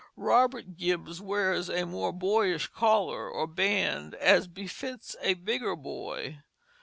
Robert Gibbs wears a more boyish collar, or band, as befits a bigger boy.